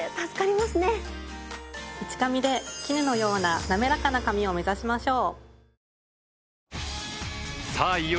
いち髪で絹のようななめらかな髪を目指しましょう。